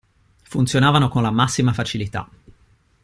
Funzionavano con la massima facilità.